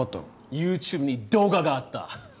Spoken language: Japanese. ＹｏｕＴｕｂｅに動画があった。